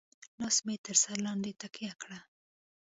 لاس مې تر سر لاندې تکيه کړه.